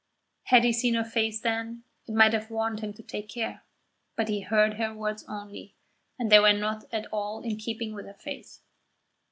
Had he seen her face then, it might have warned him to take care; but he heard her words only, and they were not at all in keeping with her face.